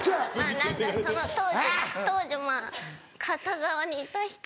何かその当時まぁ片側にいた人？